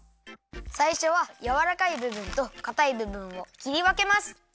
さいしょはやわらかいぶぶんとかたいぶぶんをきりわけます。